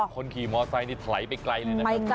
คนขี่มอไซค์นี่ไถไปไกลเลยนะครับ